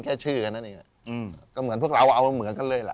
ก็เหมือนพวกเราเอาทั้งหมดเหมือนกันเลยล่ะ